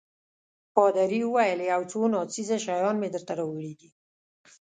پادري وویل: یو څو ناڅېزه شیان مې درته راوړي دي.